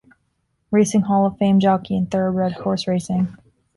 Racing Hall of Fame jockey in thoroughbred horse racing.